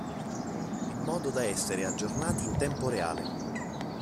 In modo da essere aggiornati in tempo reale.